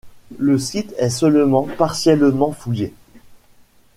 Le site est seulement partiellement fouillé.